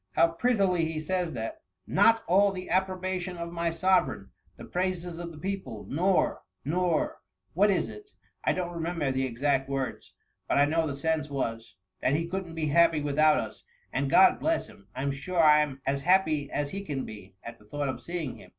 How prettily he says that !—* Not all the approbation of my sovereign, the praises of the people' — ^nor — nor — what is it ? I don't remember the exact words, but I know the sense was, that he couldn't be happy with out us, and, God bless him I I 'm sure I 'm as happy as he can be, at the thought of seeing him.'